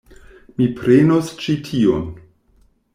Mi prenos ĉi tiun.